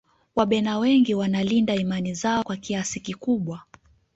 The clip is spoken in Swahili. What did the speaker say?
wabena wengi wanalinda imani zao kwa kiasi kikubwa